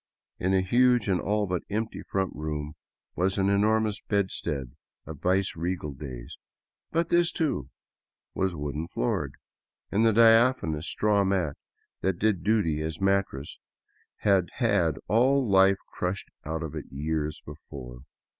In a huge and all but empty front room was an enormous bedstead of viceregal days; but this, too, was wooden floored, and the diaphanous straw mat that did duty as mattress had had all life crushed out of it years before.